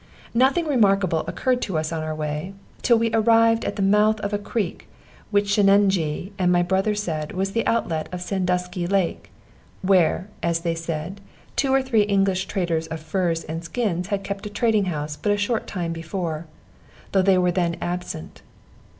Nothing remarkable occurred to us on our way, till we arrived at the mouth of a creek which Sheninjee and my brother said was the outlet of Sandusky lake; where, as they said, two or three English traders in fur and skins had kept a trading house but a short time before, though they were then absent.